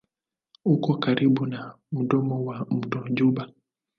Uko karibu na mdomo wa mto Juba.